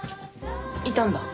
いたんだ。